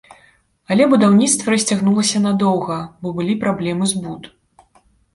Але будаўніцтва расцягнулася надоўга, бо былі праблемы з буд.